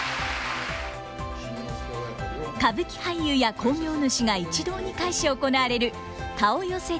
歌舞伎俳優や興行主が一堂に会し行われる「顔寄せ手打式」。